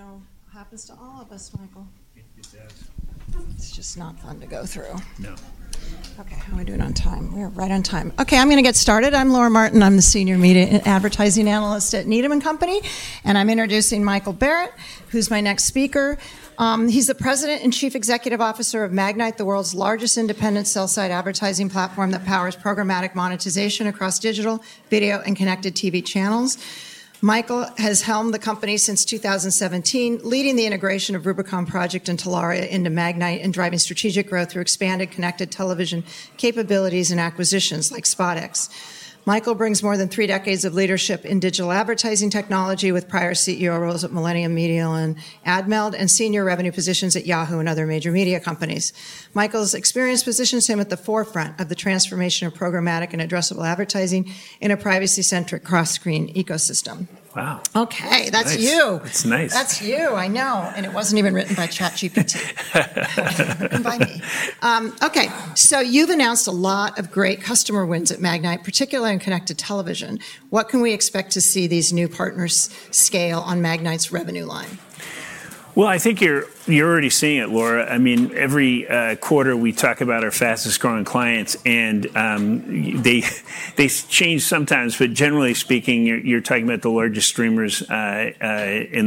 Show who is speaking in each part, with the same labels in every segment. Speaker 1: So, we'll see what started with what ends with.
Speaker 2: You know, it happens to all of us, Michael.
Speaker 1: It did.
Speaker 2: It's just not fun to go through.
Speaker 1: No.
Speaker 2: Okay, how are we doing on time? We are right on time. Okay, I'm going to get started. I'm Laura Martin. I'm the Senior Media and Advertising Analyst at Needham & Company, and I'm introducing Michael Barrett, who's my next speaker. He's the President and Chief Executive Officer of Magnite, the world's largest independent sell-side advertising platform that powers programmatic monetization across digital, video, and connected TV channels. Michael has helmed the company since 2017, leading the integration of Rubicon Project and Telaria into Magnite and driving strategic growth through expanded connected television capabilities and acquisitions like SpotX. Michael brings more than three decades of leadership in digital advertising technology with prior CEO roles at Millennial Media and Admeld and senior revenue positions at Yahoo and other major media companies. Michael's experience positions him at the forefront of the transformation of programmatic and addressable advertising in a privacy-centric cross-screen ecosystem.
Speaker 1: Wow.
Speaker 2: Okay, that's you.
Speaker 1: That's nice.
Speaker 2: That's you, I know, and it wasn't even written by ChatGPT. Okay, so you've announced a lot of great customer wins at Magnite, particularly in connected television. What can we expect to see these new partners scale on Magnite's revenue line?
Speaker 1: Well, I think you're already seeing it, Laura. I mean, every quarter we talk about our fastest growing clients, and they change sometimes, but generally speaking, you're talking about the largest streamers in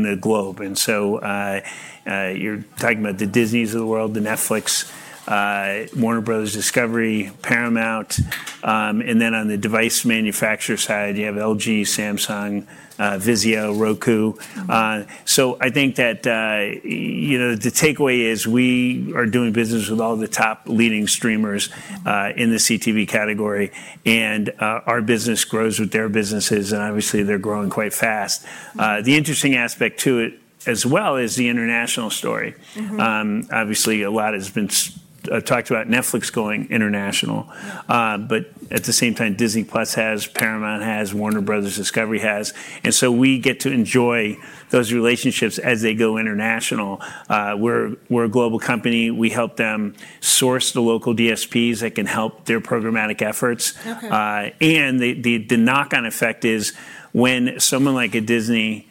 Speaker 1: the globe. And so you're talking about the Disneys of the world, the Netflix, Warner Bros. Discovery, Paramount. And then on the device manufacturer side, you have LG, Samsung, Vizio, Roku. So I think that, you know, the takeaway is we are doing business with all the top leading streamers in the CTV category, and our business grows with their businesses, and obviously they're growing quite fast. The interesting aspect to it as well is the international story. Obviously, a lot has been talked about Netflix going international, but at the same time, Disney Plus has, Paramount has, Warner Bros. Discovery has. And so we get to enjoy those relationships as they go international. We're a global company. We help them source the local DSPs that can help their programmatic efforts, and the knock-on effect is when someone like a Disney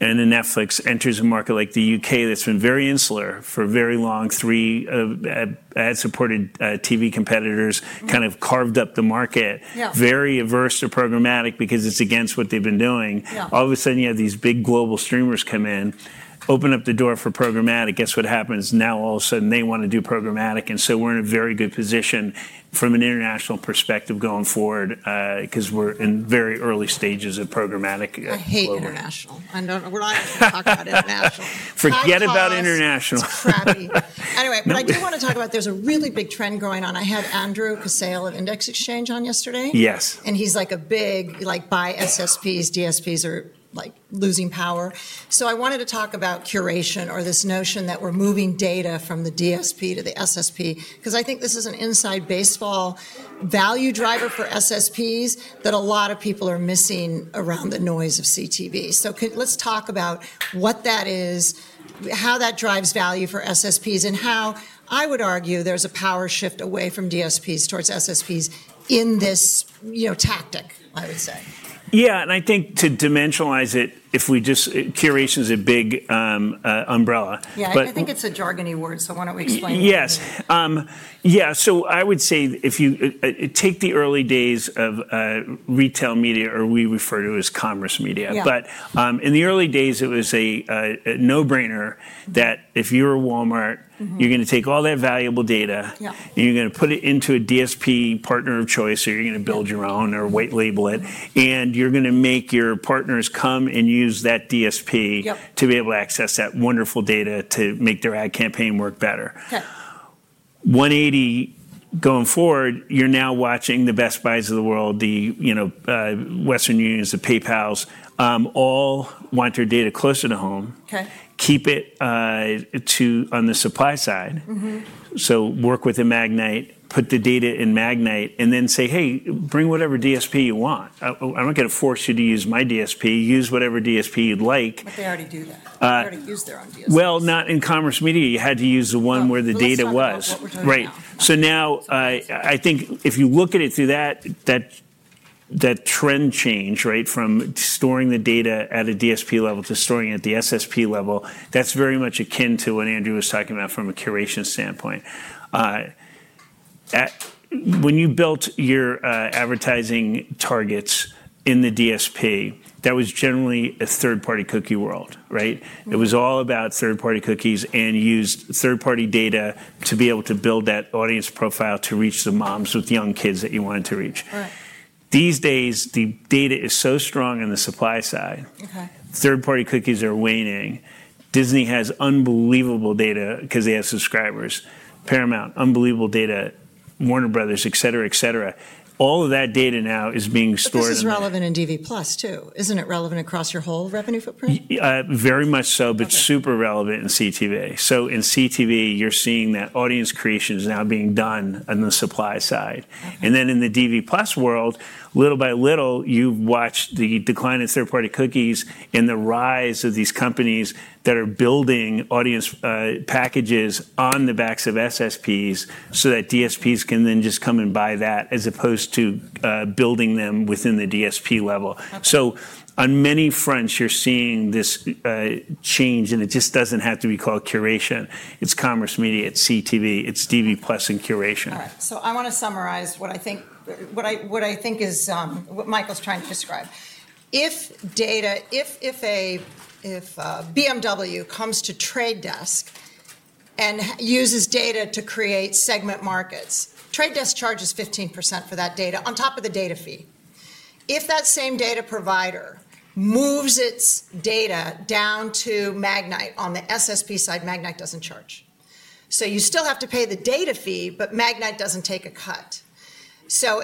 Speaker 1: and a Netflix enters a market like the U.K. that's been very insular for a very long time, three ad-supported TV competitors kind of carved up the market, very averse to programmatic because it's against what they've been doing. All of a sudden, you have these big global streamers come in, open up the door for programmatic. Guess what happens? Now, all of a sudden, they want to do programmatic, and so we're in a very good position from an international perspective going forward because we're in very early stages of programmatic.
Speaker 2: I hate international. We're not going to talk about international.
Speaker 1: Forget about international.
Speaker 2: Anyway, but I do want to talk about there's a really big trend going on. I had Andrew Casale of Index Exchange on yesterday.
Speaker 1: Yes.
Speaker 2: He’s like a big, like, buy SSPs. DSPs are like losing power. I wanted to talk about curation or this notion that we’re moving data from the DSP to the SSP because I think this is an inside baseball value driver for SSPs that a lot of people are missing around the noise of CTV. Let’s talk about what that is, how that drives value for SSPs, and how I would argue there’s a power shift away from DSPs towards SSPs in this, you know, tactic, I would say.
Speaker 1: Yeah, and I think to dimensionalize it, if we just curation is a big umbrella.
Speaker 2: Yeah, I think it's a jargony word, so why don't we explain it?
Speaker 1: Yes. Yeah, so I would say if you take the early days of retail media, or we refer to it as commerce media. But in the early days, it was a no-brainer that if you're a Walmart, you're going to take all that valuable data, and you're going to put it into a DSP partner of choice, or you're going to build your own or white label it, and you're going to make your partners come and use that DSP to be able to access that wonderful data to make their ad campaign work better. 180 going forward, you're now watching the Best Buys of the world, the, you know, Western Unions, the PayPals, all want their data closer to home, keep it on the supply side. So work with the Magnite, put the data in Magnite, and then say, hey, bring whatever DSP you want. I'm not going to force you to use my DSP. Use whatever DSP you'd like.
Speaker 2: But they already do that. They already use their own DSP.
Speaker 1: Not in commerce media. You had to use the one where the data was. Right. So now I think if you look at it through that trend change, right, from storing the data at a DSP level to storing it at the SSP level, that's very much akin to what Andrew was talking about from a curation standpoint. When you built your advertising targets in the DSP, that was generally a third-party cookie world, right? It was all about third-party cookies and used third-party data to be able to build that audience profile to reach the moms with young kids that you wanted to reach. These days, the data is so strong on the supply side. Third-party cookies are waning. Disney has unbelievable data because they have subscribers. Paramount, unbelievable data. Warner Bros., et cetera, et cetera. All of that data now is being stored.
Speaker 2: This is relevant in DV+ too. Isn't it relevant across your whole revenue footprint?
Speaker 1: Very much so, but super relevant in CTV. So in CTV, you're seeing that audience creation is now being done on the supply side. And then in the DV+ world, little by little, you've watched the decline in third-party cookies and the rise of these companies that are building audience packages on the backs of SSPs so that DSPs can then just come and buy that as opposed to building them within the DSP level. So on many fronts, you're seeing this change, and it just doesn't have to be called curation. It's commerce media. It's CTV. It's DV+ and curation.
Speaker 2: All right. So I want to summarize what I think is what Michael's trying to describe. If BMW comes to Trade Desk and uses data to create segment markets, Trade Desk charges 15% for that data on top of the data fee. If that same data provider moves its data down to Magnite, on the SSP side, Magnite doesn't charge. So you still have to pay the data fee, but Magnite doesn't take a cut.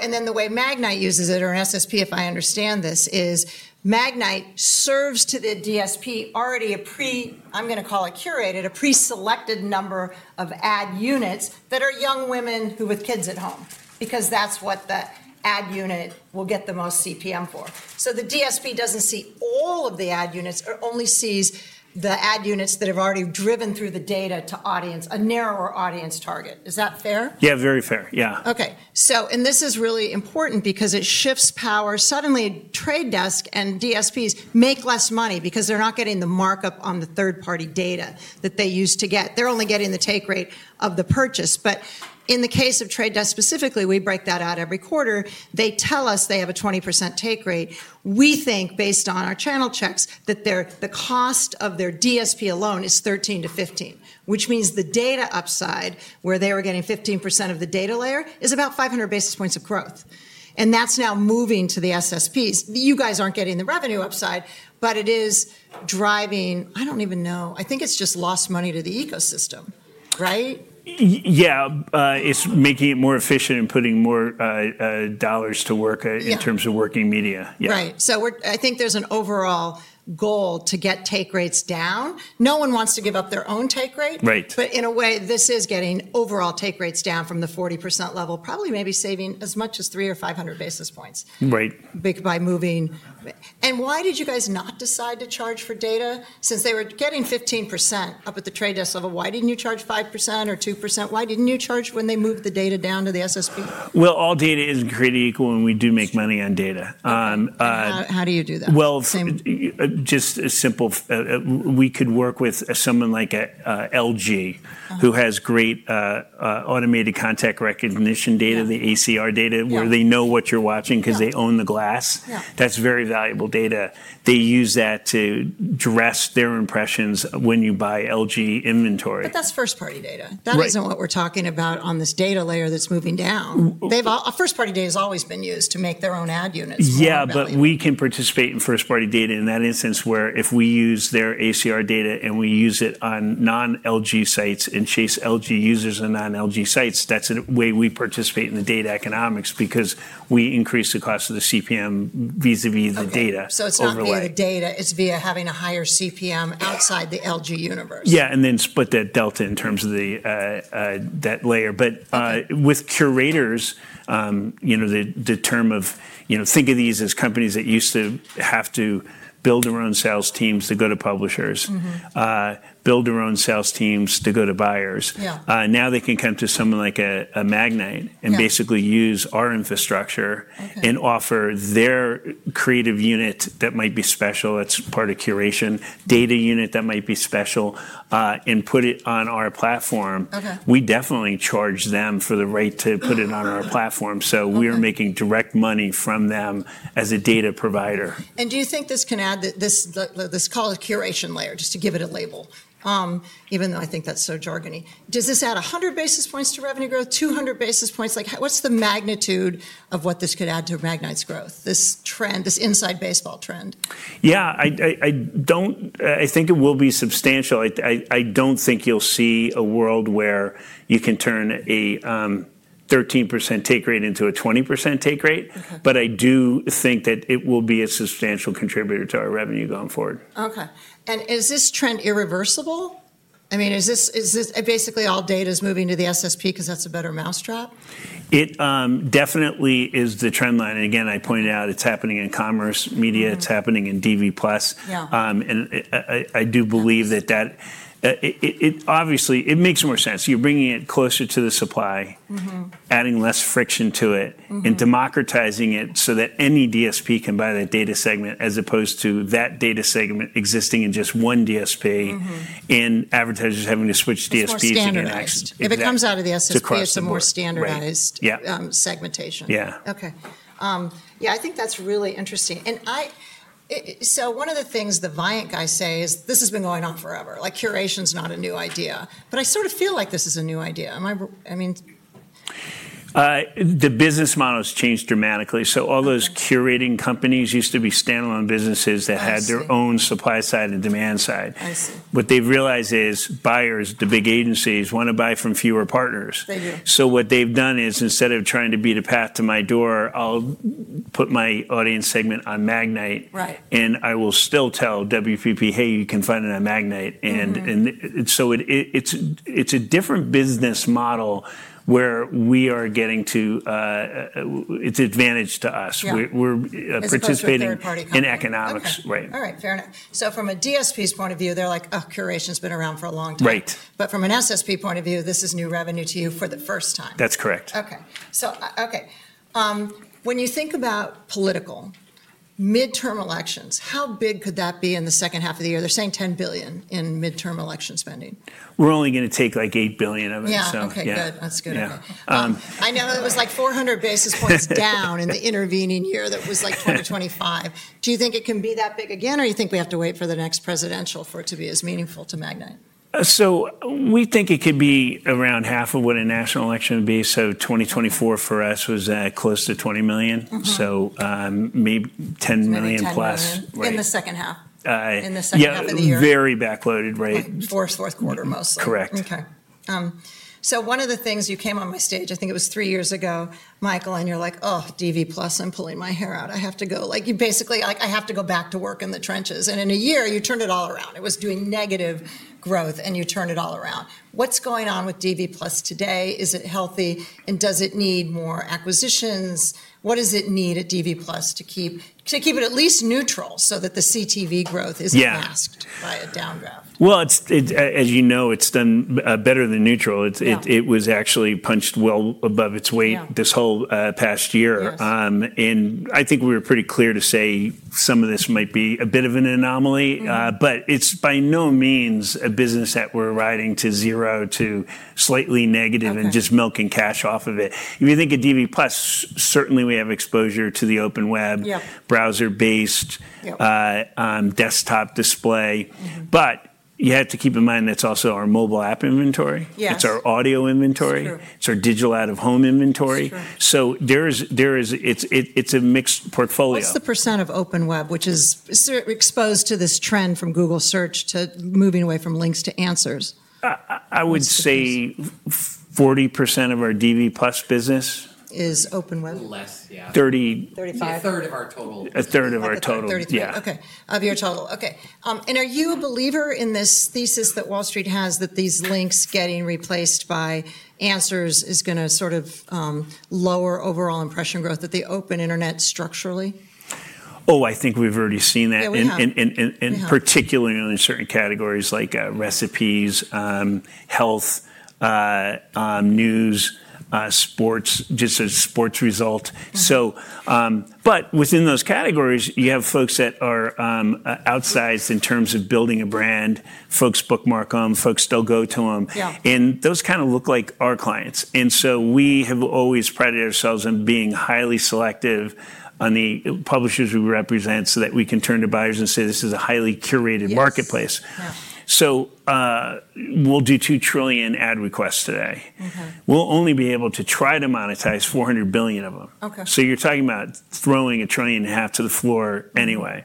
Speaker 2: And then the way Magnite uses it, or an SSP, if I understand this, is Magnite serves to the DSP already a pre, I'm going to call it curated, a pre-selected number of ad units that are young women with kids at home because that's what the ad unit will get the most CPM for. So the DSP doesn't see all of the ad units or only sees the ad units that have already driven through the data to audience, a narrower audience target. Is that fair?
Speaker 1: Yeah, very fair. Yeah.
Speaker 2: Okay. And this is really important because it shifts power. Suddenly, Trade Desk and DSPs make less money because they're not getting the markup on the third-party data that they used to get. They're only getting the take rate of the purchase. But in the case of Trade Desk specifically, we break that out every quarter. They tell us they have a 20% take rate. We think, based on our channel checks, that the cost of their DSP alone is 13%-15%, which means the data upside, where they were getting 15% of the data layer, is about 500 basis points of growth. And that's now moving to the SSPs. You guys aren't getting the revenue upside, but it is driving, I don't even know, I think it's just lost money to the ecosystem, right?
Speaker 1: Yeah, it's making it more efficient and putting more dollars to work in terms of working media. Yeah.
Speaker 2: Right. So I think there's an overall goal to get take rates down. No one wants to give up their own take rate.
Speaker 1: Right.
Speaker 2: But in a way, this is getting overall take rates down from the 40% level, probably maybe saving as much as three or five hundred basis points.
Speaker 1: Right.
Speaker 2: Why did you guys not decide to charge for data? Since they were getting 15% up at the Trade Desk level, why didn't you charge 5% or 2%? Why didn't you charge when they moved the data down to the SSP?
Speaker 1: All data isn't created equal, and we do make money on data.
Speaker 2: How do you do that?
Speaker 1: Just a simple, we could work with someone like LG, who has great automated content recognition data, the ACR data, where they know what you're watching because they own the glass. That's very valuable data. They use that to dress their impressions when you buy LG inventory.
Speaker 2: But that's first-party data. That isn't what we're talking about on this data layer that's moving down. First-party data has always been used to make their own ad units.
Speaker 1: Yeah, but we can participate in first-party data in that instance where if we use their ACR data and we use it on non-LG sites and chase LG users on non-LG sites, that's a way we participate in the data economics because we increase the cost of the CPM vis-à-vis the data.
Speaker 2: So it's not via data. It's via having a higher CPM outside the LG universe.
Speaker 1: Yeah, and then split that delta in terms of that layer. But with curators, you know, the term of, you know, think of these as companies that used to have to build their own sales teams to go to publishers, build their own sales teams to go to buyers. Now they can come to someone like a Magnite and basically use our infrastructure and offer their creative unit that might be special. That's part of curation. Data unit that might be special and put it on our platform. We definitely charge them for the right to put it on our platform. So we are making direct money from them as a data provider.
Speaker 2: And do you think this can add, this call it curation layer, just to give it a label, even though I think that's so jargony, does this add 100 basis points to revenue growth, 200 basis points? Like, what's the magnitude of what this could add to Magnite's growth, this trend, this inside baseball trend?
Speaker 1: Yeah, I think it will be substantial. I don't think you'll see a world where you can turn a 13% take rate into a 20% take rate. But I do think that it will be a substantial contributor to our revenue going forward.
Speaker 2: Okay. And is this trend irreversible? I mean, is this basically all data is moving to the SSP because that's a better mousetrap?
Speaker 1: It definitely is the trend line. And again, I point out it's happening in commerce media. It's happening in DV+. And I do believe that that obviously it makes more sense. You're bringing it closer to the supply, adding less friction to it, and democratizing it so that any DSP can buy that data segment as opposed to that data segment existing in just one DSP and advertisers having to switch DSPs to the next.
Speaker 2: If it comes out of the SSP, it's a more standardized segmentation.
Speaker 1: Yeah.
Speaker 2: Okay. Yeah, I think that's really interesting. And so one of the things the Viant guys say is this has been going on forever. Like, curation is not a new idea. But I sort of feel like this is a new idea. I mean.
Speaker 1: The business model has changed dramatically. So all those curating companies used to be standalone businesses that had their own supply side and demand side. What they've realized is buyers, the big agencies, want to buy from fewer partners. So what they've done is instead of trying to beat a path to my door, I'll put my audience segment on Magnite, and I will still tell WPP, hey, you can find it on Magnite. And so it's a different business model where we are getting to its advantage to us. We're participating in economics. Right.
Speaker 2: All right. Fair enough. So from a DSP's point of view, they're like, oh, curation's been around for a long time.
Speaker 1: Right.
Speaker 2: From an SSP point of view, this is new revenue to you for the first time.
Speaker 1: That's correct.
Speaker 2: Okay. So when you think about political midterm elections, how big could that be in the second half of the year? They're saying $10 billion in midterm election spending.
Speaker 1: We're only going to take like $8 billion of it.
Speaker 2: Yeah. Okay. Good. That's good. I know it was like 400 basis points down in the intervening year that was like 2025. Do you think it can be that big again, or do you think we have to wait for the next presidential for it to be as meaningful to Magnite?
Speaker 1: We think it could be around half of what a national election would be. 2024 for us was close to 20 million. Maybe 10 million plus.
Speaker 2: In the second half of the year.
Speaker 1: Yeah, very backloaded rate.
Speaker 2: Fourth, mostly.
Speaker 1: Correct.
Speaker 2: Okay. So one of the things you came on my stage, I think it was three years ago, Michael, and you're like, oh, DV+, I'm pulling my hair out. I have to go. Like, you basically like, I have to go back to work in the trenches. And in a year, you turned it all around. It was doing negative growth, and you turned it all around. What's going on with DV+ today? Is it healthy, and does it need more acquisitions? What does it need at DV+ to keep it at least neutral so that the CTV growth is masked by a downdraft?
Speaker 1: As you know, it's done better than neutral. It was actually punched well above its weight this whole past year. I think we were pretty clear to say some of this might be a bit of an anomaly, but it's by no means a business that we're riding to zero to slightly negative and just milking cash off of it. If you think of DV+, certainly we have exposure to the Open Web, browser-based, desktop display. But you have to keep in mind that's also our mobile app inventory. It's our audio inventory. It's our digital out-of-home inventory. It's a mixed portfolio.
Speaker 2: What's the percent of Open Web, which is exposed to this trend from Google search to moving away from links to answers?
Speaker 1: I would say 40% of our DV+ business.
Speaker 2: Is Open Web?
Speaker 1: Less. Yeah.
Speaker 2: 35?
Speaker 1: A third of our total.
Speaker 2: A third of our total.
Speaker 1: Yeah.
Speaker 2: And are you a believer in this thesis that Wall Street has that these links getting replaced by answers is going to sort of lower overall impression growth at the open internet structurally?
Speaker 1: Oh, I think we've already seen that.
Speaker 2: Yeah, we have.
Speaker 1: And particularly in certain categories like recipes, health, news, sports, just a sports result. But within those categories, you have folks that are outsized in terms of building a brand, folks bookmark them, folks still go to them. And those kind of look like our clients. And so we have always prided ourselves on being highly selective on the publishers we represent so that we can turn to buyers and say this is a highly curated marketplace. So we'll do 2 trillion ad requests today. We'll only be able to try to monetize 400 billion of them. So you're talking about throwing a trillion and a half to the floor anyway.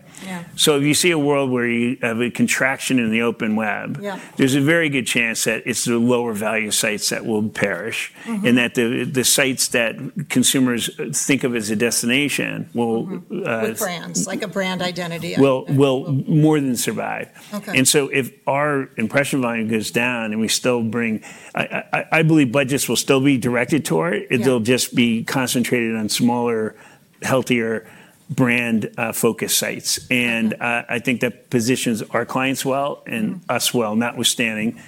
Speaker 1: So if you see a world where you have a contraction in the open web, there's a very good chance that it's the lower value sites that will perish and that the sites that consumers think of as a destination will.
Speaker 2: Like brands, like a brand identity.
Speaker 1: We'll more than survive, and so if our impression volume goes down and we still bring, I believe, budgets will still be directed toward it. They'll just be concentrated on smaller, healthier brand-focused sites, and I think that positions our clients well and us well, notwithstanding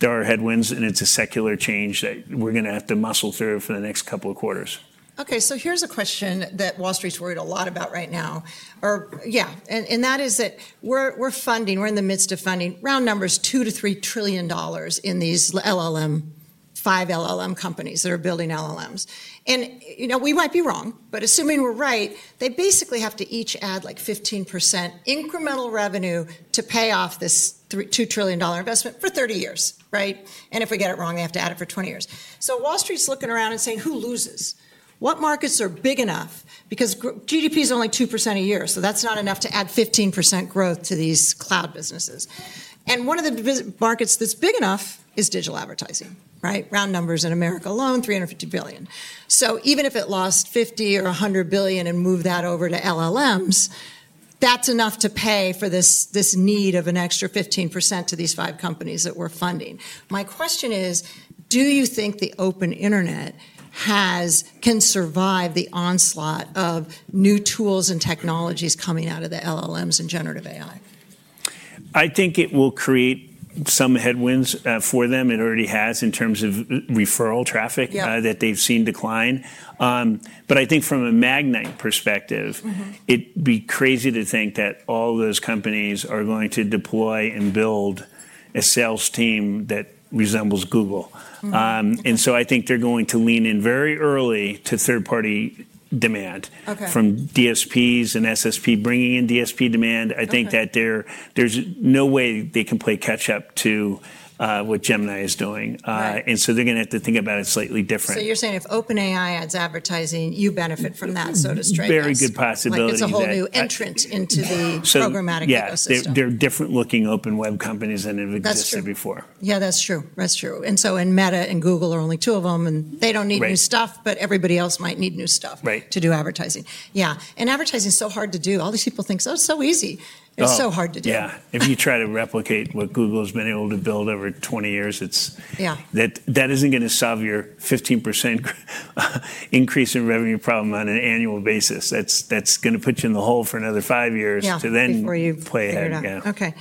Speaker 1: there are headwinds and it's a secular change that we're going to have to muscle through for the next couple of quarters.
Speaker 2: Okay. So here's a question that Wall Street's worried a lot about right now. Yeah. And that is that we're funding, we're in the midst of funding round numbers, $2-$3 trillion in these LLM, five LLM companies that are building LLMs. And we might be wrong, but assuming we're right, they basically have to each add like 15% incremental revenue to pay off this $2 trillion dollar investment for 30 years. Right? And if we get it wrong, they have to add it for 20 years. So Wall Street's looking around and saying, who loses? What markets are big enough? Because GDP is only 2% a year, so that's not enough to add 15% growth to these cloud businesses. And one of the markets that's big enough is digital advertising. Right? Round numbers in America alone, $350 billion. So even if it lost 50 or 100 billion and moved that over to LLMs, that's enough to pay for this need of an extra 15% to these five companies that we're funding. My question is, do you think the open internet can survive the onslaught of new tools and technologies coming out of the LLMs and generative AI?
Speaker 1: I think it will create some headwinds for them. It already has in terms of referral traffic that they've seen decline, but I think from a Magnite perspective, it'd be crazy to think that all those companies are going to deploy and build a sales team that resembles Google, and so I think they're going to lean in very early to third-party demand from DSPs and SSP bringing in DSP demand. I think that there's no way they can play catch-up to what Gemini is doing, and so they're going to have to think about it slightly different.
Speaker 2: So, you're saying if OpenAI adds advertising, you benefit from that, so that's strange.
Speaker 1: Very good possibility.
Speaker 2: It's a whole new entrant into the programmatic ecosystem.
Speaker 1: Yeah. They're different-looking Open Web companies than have existed before.
Speaker 2: Yeah, that's true. That's true. And so, only Meta and Google are two of them, and they don't need new stuff, but everybody else might need new stuff to do advertising. Yeah. And advertising is so hard to do. All these people think, oh, it's so easy. It's so hard to do.
Speaker 1: Yeah. If you try to replicate what Google has been able to build over 20 years, that isn't going to solve your 15% increase in revenue problem on an annual basis. That's going to put you in the hole for another five years to then play ahead.
Speaker 2: Okay.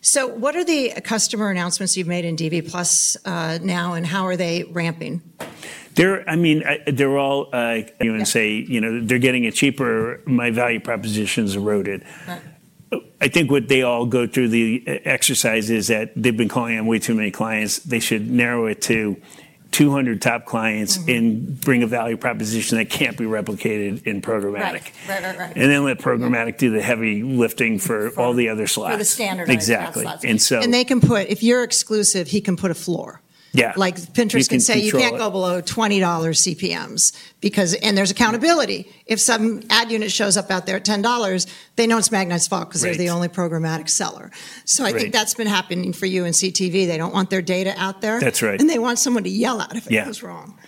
Speaker 2: So what are the customer announcements you've made in DV+ now, and how are they ramping?
Speaker 1: I mean, they're all. They say, you know, they're getting it cheaper, my value propositions eroded. I think what they all go through the exercise is that they've been calling on way too many clients. They should narrow it to 200 top clients and bring a value proposition that can't be replicated in programmatic. And then let programmatic do the heavy lifting for all the other slots.
Speaker 2: For the standardized slots.
Speaker 1: Exactly.
Speaker 2: They can put, if you're exclusive, he can put a floor.
Speaker 1: Yeah.
Speaker 2: Like Pinterest can say, you can't go below $20 CPMs because, and there's accountability. If some ad unit shows up out there at $10, they know it's Magnite's fault because they're the only programmatic seller. So I think that's been happening for you and CTV. They don't want their data out there.
Speaker 1: That's right.
Speaker 2: They want someone to yell out if it goes wrong.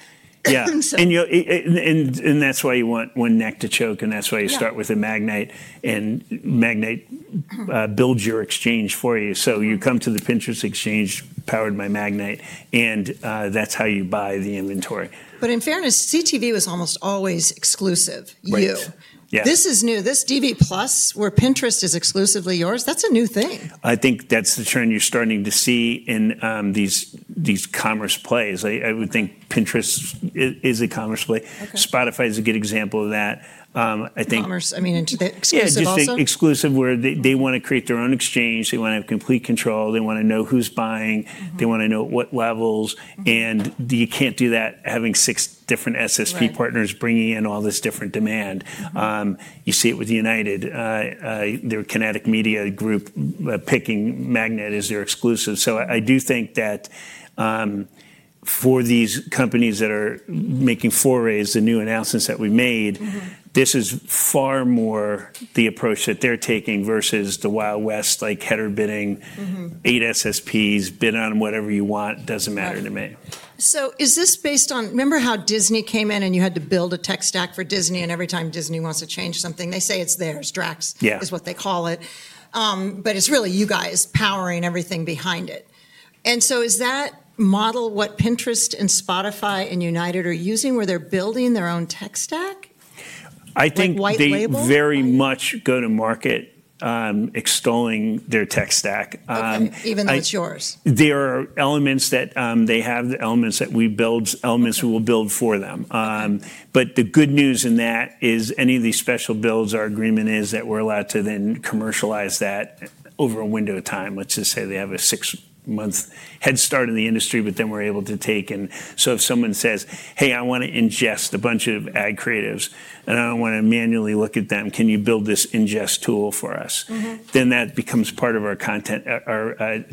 Speaker 1: Yeah. And that's why you want one neck to choke, and that's why you start with a Magnite, and Magnite builds your exchange for you. So you come to the Pinterest exchange powered by Magnite, and that's how you buy the inventory.
Speaker 2: But in fairness, CTV was almost always exclusive.
Speaker 1: Yes.
Speaker 2: This is new. This DV+ where Pinterest is exclusively yours, that's a new thing.
Speaker 1: I think that's the trend you're starting to see in these commerce plays. I would think Pinterest is a commerce play. Spotify is a good example of that. I think.
Speaker 2: Commerce, I mean, into the exclusive also.
Speaker 1: It's exclusive where they want to create their own exchange. They want to have complete control. They want to know who's buying. They want to know what levels. And you can't do that having six different SSP partners bringing in all this different demand. You see it with United. Their Kinective Media Group picking Magnite as their exclusive. So I do think that for these companies that are making forays, the new announcements that we made, this is far more the approach that they're taking versus the Wild West, like header bidding, eight SSPs, bid on whatever you want, doesn't matter to me.
Speaker 2: Is this based on, remember how Disney came in and you had to build a tech stack for Disney, and every time Disney wants to change something, they say it's theirs, D is what they call it. But it's really you guys powering everything behind it. Is that model what Pinterest and Spotify and United are using where they're building their own tech stack?
Speaker 1: I think they very much go to market extolling their tech stack.
Speaker 2: Even though it's yours.
Speaker 1: There are elements that they have, the elements that we build, elements we will build for them. But the good news in that is any of these special builds, our agreement is that we're allowed to then commercialize that over a window of time. Let's just say they have a six-month head start in the industry, but then we're able to take and so if someone says, hey, I want to ingest a bunch of ad creatives, and I don't want to manually look at them, can you build this ingest tool for us? Then that becomes part of our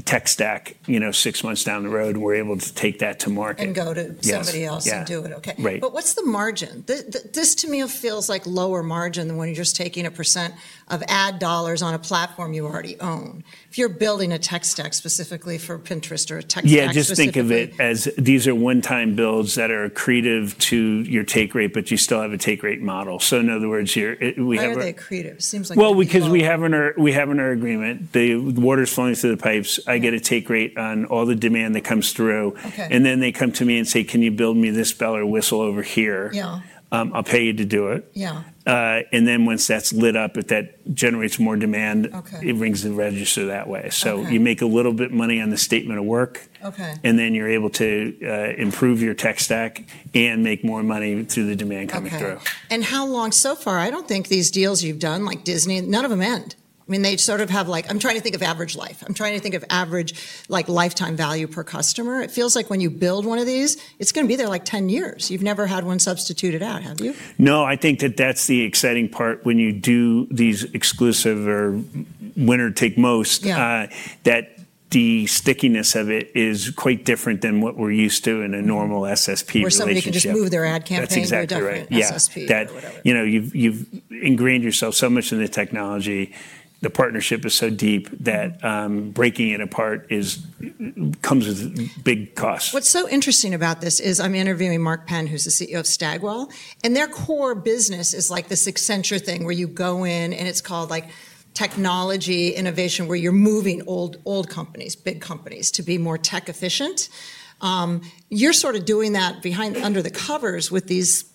Speaker 1: tech stack six months down the road, and we're able to take that to market.
Speaker 2: And go to somebody else and do it. Okay. But what's the margin? This to me feels like lower margin than when you're just taking a percent of ad dollars on a platform you already own. If you're building a tech stack specifically for Pinterest or a tech stack for Google.
Speaker 1: Yeah, just think of it as these are one-time builds that are creative to your take rate, but you still have a take rate model. So in other words, we have.
Speaker 2: Why are they creative? Seems like.
Speaker 1: Well, because we have in our agreement, the water's flowing through the pipes. I get a take rate on all the demand that comes through. And then they come to me and say, can you build me this bell or whistle over here? Yeah, I'll pay you to do it. Yeah. And then once that's lit up, if that generates more demand, it rings the register that way. So you make a little bit of money on the statement of work, and then you're able to improve your tech stack and make more money through the demand coming through.
Speaker 2: How long so far? I don't think these deals you've done like Disney, none of them end. I mean, they sort of have like, I'm trying to think of average life. I'm trying to think of average lifetime value per customer. It feels like when you build one of these, it's going to be there like 10 years. You've never had one substituted out, have you?
Speaker 1: No, I think that that's the exciting part when you do these exclusive or winner take most, that the stickiness of it is quite different than what we're used to in a normal SSP.
Speaker 2: Where somebody can just move their ad campaigns and they're done with the SSP.
Speaker 1: You've ingrained yourself so much in the technology. The partnership is so deep that breaking it apart comes with big costs.
Speaker 2: What's so interesting about this is I'm interviewing Mark Penn, who's the CEO of Stagwell, and their core business is like this Accenture thing where you go in and it's called like technology innovation where you're moving old companies, big companies to be more tech efficient. You're sort of doing that behind under the covers with these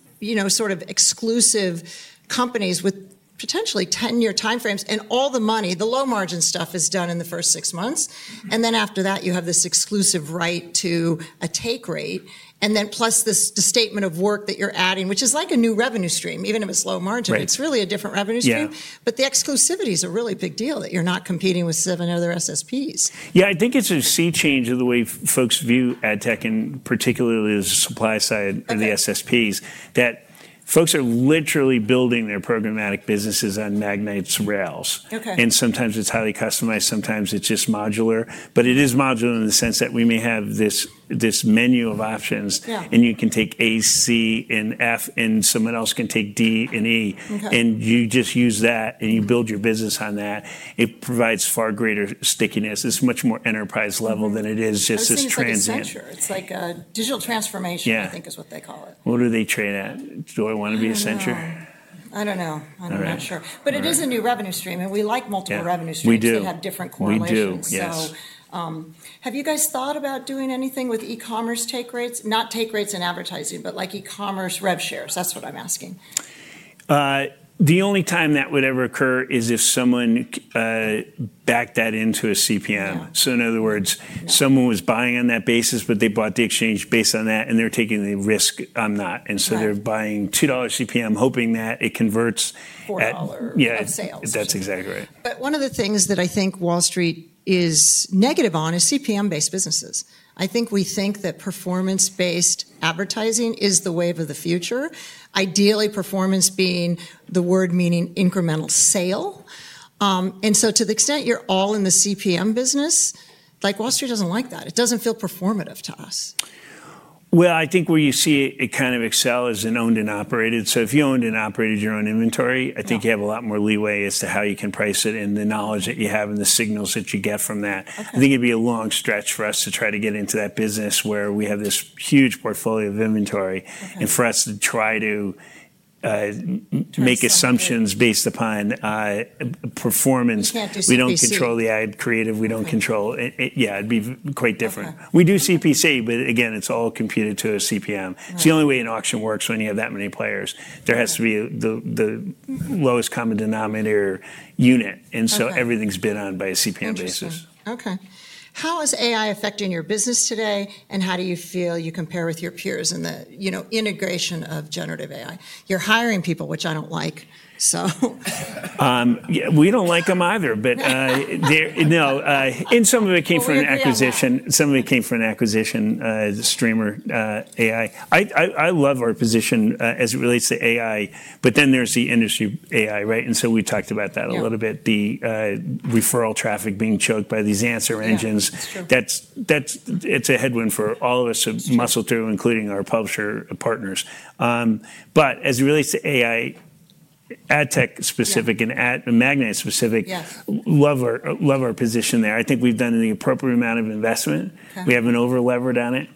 Speaker 2: sort of exclusive companies with potentially 10-year timeframes and all the money. The low margin stuff is done in the first six months, and then after that, you have this exclusive right to a take rate, and then plus the statement of work that you're adding, which is like a new revenue stream, even if it's low margin, it's really a different revenue stream. But the exclusivity is a really big deal that you're not competing with seven other SSPs.
Speaker 1: Yeah, I think it's a sea change of the way folks view ad tech, and particularly the supply side of the SSPs, that folks are literally building their programmatic businesses on Magnite's rails. And sometimes it's highly customized. Sometimes it's just modular. But it is modular in the sense that we may have this menu of options and you can take A, C, and F, and someone else can take D and E. And you just use that and you build your business on that. It provides far greater stickiness. It's much more enterprise level than it is just a transient.
Speaker 2: It's like a digital transformation, I think is what they call it.
Speaker 1: What do they trade at? Do I want to be Accenture?
Speaker 2: I don't know. I'm not sure. But it is a new revenue stream. And we like multiple revenue streams that have different core listings.
Speaker 1: We do. Yes.
Speaker 2: Have you guys thought about doing anything with e-commerce take rates? Not take rates in advertising, but like e-commerce rev shares. That's what I'm asking.
Speaker 1: The only time that would ever occur is if someone backed that into a CPM. So in other words, someone was buying on that basis, but they bought the exchange based on that and they're taking the risk on that. And so they're buying $2 CPM, hoping that it converts.
Speaker 2: $4 of sales.
Speaker 1: That's exactly right.
Speaker 2: But one of the things that I think Wall Street is negative on is CPM-based businesses. I think we think that performance-based advertising is the wave of the future. Ideally, performance being the word meaning incremental sale. And so to the extent you're all in the CPM business, like Wall Street doesn't like that. It doesn't feel performative to us.
Speaker 1: I think where you see it kind of excel is in owned and operated. So if you owned and operated your own inventory, I think you have a lot more leeway as to how you can price it and the knowledge that you have and the signals that you get from that. I think it'd be a long stretch for us to try to get into that business where we have this huge portfolio of inventory and for us to try to make assumptions based upon performance. We don't control the ad creative. Yeah, it'd be quite different. We do CPC, but again, it's all computed to a CPM. It's the only way an auction works when you have that many players. There has to be the lowest common denominator unit. And so everything's bid on by a CPM basis.
Speaker 2: Okay. How is AI affecting your business today? And how do you feel you compare with your peers in the integration of generative AI? You're hiring people, which I don't like, so.
Speaker 1: We don't like them either, but no. Some of it came from an acquisition, Streamer AI. I love our position as it relates to AI, but then there's the industry AI, right? So we talked about that a little bit. The referral traffic being choked by these answer engines. It's a headwind for all of us to muscle through, including our publisher partners. As it relates to AI, ad tech specific and Magnite specific, love our position there. I think we've done the appropriate amount of investment. We haven't over-levered on it.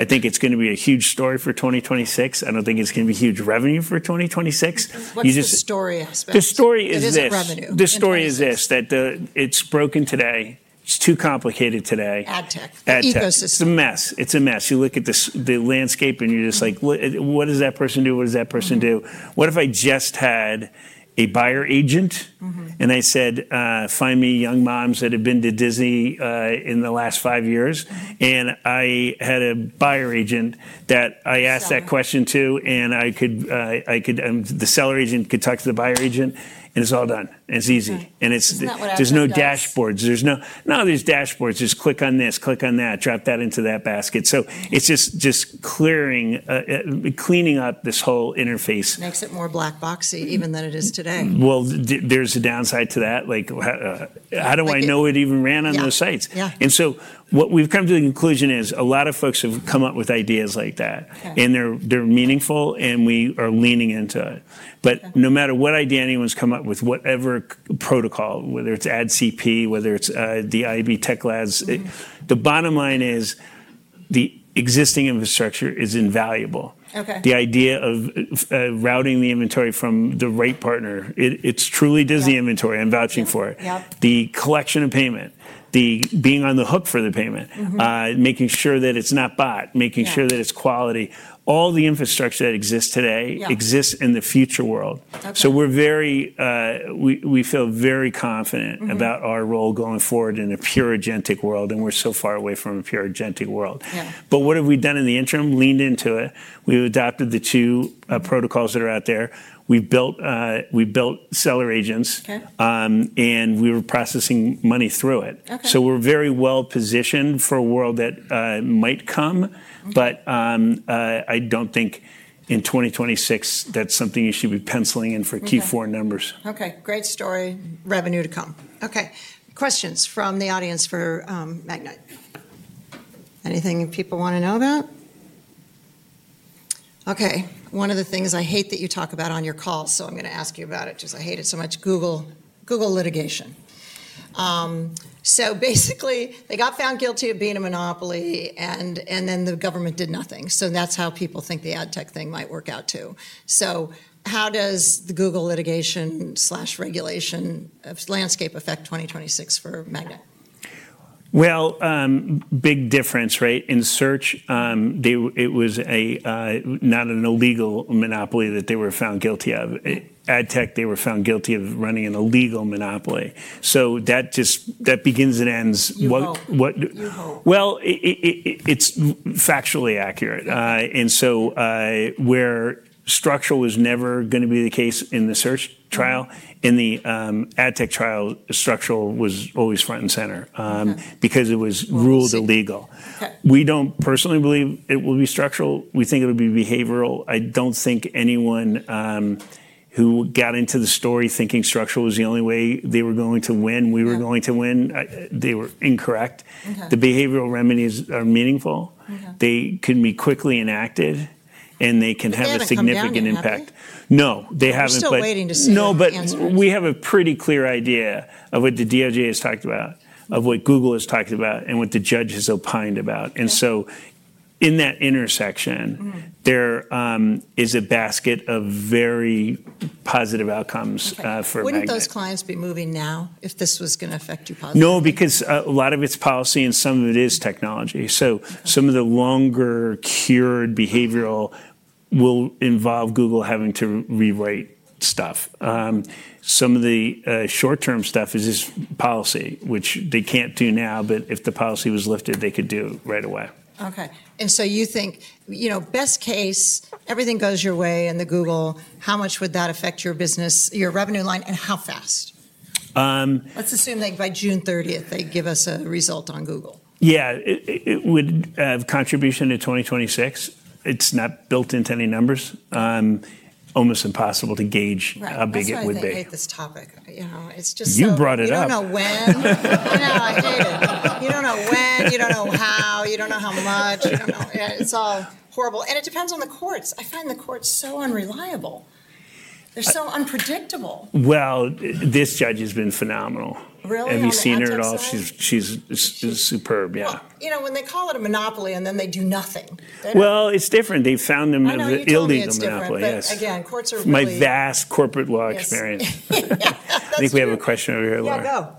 Speaker 1: I think it's going to be a huge story for 2026. I don't think it's going to be huge revenue for 2026.
Speaker 2: What's the story?
Speaker 1: The story is this, that it's broken today. It's too complicated today.
Speaker 2: Ad tech.
Speaker 1: Ad tech. It's a mess. It's a mess. You look at the landscape and you're just like, what does that person do? What does that person do? What if I just had a buyer agent and I said, find me young moms that have been to Disney in the last five years, and I had a buyer agent that I asked that question to, and I could, the seller agent could talk to the buyer agent, and it's all done. It's easy, and there's no dashboards. There's no, no, there's dashboards. Just click on this, click on that, drop that into that basket. So it's just clearing up this whole interface.
Speaker 2: Makes it more black boxy even than it is today.
Speaker 1: There's a downside to that. Like, how do I know it even ran on those sites? And so what we've come to the conclusion is a lot of folks have come up with ideas like that, and they're meaningful, and we are leaning into it. But no matter what idea anyone's come up with, whatever protocol, whether it's ad CP, whether it's the IAB Tech Lab, the bottom line is the existing infrastructure is invaluable. The idea of routing the inventory from the right partner, it's truly Disney inventory. I'm vouching for it. The collection of payment, the being on the hook for the payment, making sure that it's not bot, making sure that it's quality. All the infrastructure that exists today exists in the future world. So we feel very confident about our role going forward in a pure agentic world, and we're so far away from a pure agentic world. But what have we done in the interim? Leaned into it. We've adopted the two protocols that are out there. We built seller agents, and we were processing money through it. So we're very well positioned for a world that might come, but I don't think in 2026 that's something you should be penciling in for Q4 numbers.
Speaker 2: Okay. Great story. Revenue to come. Okay. Questions from the audience for Magnite? Anything people want to know about? Okay. One of the things I hate that you talk about on your call, so I'm going to ask you about it because I hate it so much. Google litigation. So basically, they got found guilty of being a monopoly, and then the government did nothing. So that's how people think the ad tech thing might work out too. So how does the Google litigation and regulation landscape affect 2026 for Magnite?
Speaker 1: Big difference, right? In search, it was not an illegal monopoly that they were found guilty of. Ad tech, they were found guilty of running an illegal monopoly. That begins and ends. It's factually accurate. Where structural was never going to be the case in the search trial, in the ad tech trial, structural was always front and center because it was ruled illegal. We don't personally believe it will be structural. We think it will be behavioral. I don't think anyone who got into the story thinking structural was the only way they were going to win, we were going to win, they were incorrect. The behavioral remedies are meaningful. They can be quickly enacted, and they can have a significant impact. No, they haven't.
Speaker 2: Still waiting to see.
Speaker 1: No, but we have a pretty clear idea of what the DOJ has talked about, of what Google has talked about, and what the judge has opined about, and so in that intersection, there is a basket of very positive outcomes for Magnite and.
Speaker 2: Wouldn't those clients be moving now if this was going to affect you positively?
Speaker 1: No, because a lot of it's policy and some of it is technology. So some of the longer-term behavioral will involve Google having to rewrite stuff. Some of the short-term stuff is policy, which they can't do now, but if the policy was lifted, they could do it right away.
Speaker 2: Okay. And so you think, you know, best case, everything goes your way and the Google, how much would that affect your business, your revenue line, and how fast? Let's assume that by June 30th, they give us a result on Google.
Speaker 1: Yeah, it would have contribution to 2026. It's not built into any numbers. Almost impossible to gauge how big it would be.
Speaker 2: I hate this topic. You know, it's just so.
Speaker 1: You brought it up.
Speaker 2: You don't know when. You don't know when, you don't know how, you don't know how much. It's all horrible, and it depends on the courts. I find the courts so unreliable. They're so unreliable.
Speaker 1: This judge has been phenomenal. Have you seen her at all? She's superb, yeah.
Speaker 2: You know, when they call it a monopoly and then they do nothing.
Speaker 1: It's different. They've found them illegal monopoly.
Speaker 2: Again, courts are worse.
Speaker 1: My vast corporate law experience. I think we have a question over here.
Speaker 2: Yeah, go.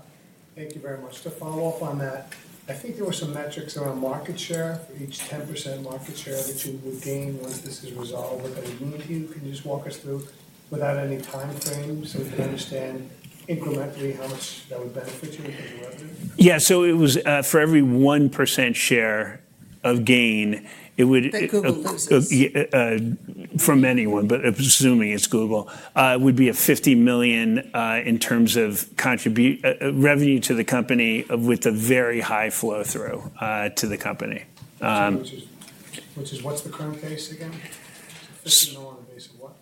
Speaker 3: Thank you very much. To follow up on that, I think there were some metrics around market share, each 10% market share that you would gain once this is resolved. What that would mean to you. Can you just walk us through without any timeframe so we can understand incrementally how much that would benefit you in terms of revenue?
Speaker 1: Yeah, so it was for every 1% share of gain, it would.
Speaker 2: That Google loses.
Speaker 1: From anyone, but assuming it's Google, would be a $50 million in terms of revenue to the company with a very high flow-through to the company.
Speaker 3: Which is what's the current base again? This is no longer based on what?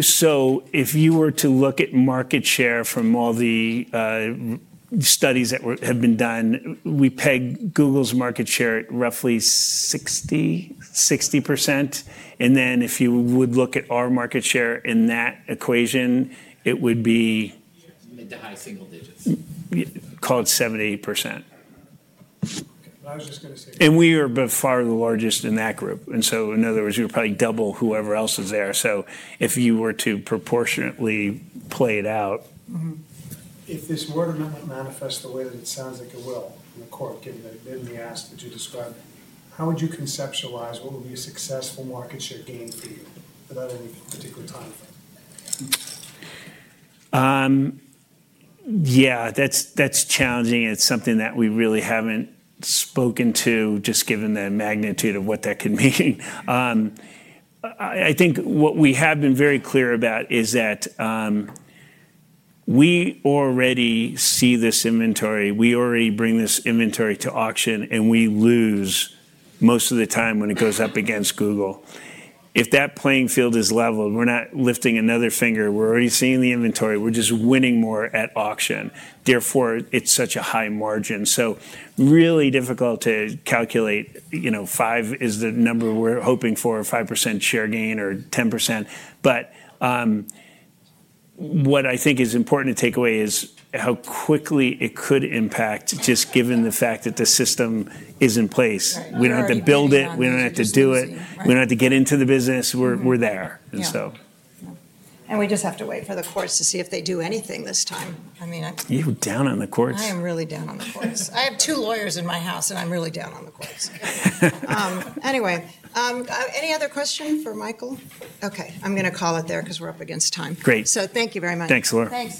Speaker 1: So if you were to look at market share from all the studies that have been done, we pegged Google's market share at roughly 60%. And then if you would look at our market share in that equation, it would be.
Speaker 4: Mid- to high-single digits.
Speaker 1: Call it 70%.
Speaker 4: I was just going to say.
Speaker 1: We are by far the largest in that group. In other words, you're probably double whoever else is there. If you were to proportionately play it out.
Speaker 3: If this were to manifest the way that it sounds like it will in the court, given the ask that you described, how would you conceptualize what would be a successful market share gain for you without any particular timeframe?
Speaker 1: Yeah, that's challenging. It's something that we really haven't spoken to just given the magnitude of what that could mean. I think what we have been very clear about is that we already see this inventory. We already bring this inventory to auction, and we lose most of the time when it goes up against Google. If that playing field is leveled, we're not lifting another finger. We're already seeing the inventory. We're just winning more at auction. Therefore, it's such a high margin. So really difficult to calculate. Five is the number we're hoping for, 5% share gain or 10%. But what I think is important to take away is how quickly it could impact just given the fact that the system is in place. We don't have to build it. We don't have to do it. We don't have to get into the business. We're there. And so.
Speaker 2: We just have to wait for the courts to see if they do anything this time. I mean.
Speaker 1: You're down on the courts.
Speaker 2: I am really down on the courts. I have two lawyers in my house, and I'm really down on the courts. Anyway, any other question for Michael? Okay. I'm going to call it there because we're up against time.
Speaker 1: Great.
Speaker 2: So thank you very much.
Speaker 1: Thanks a lot.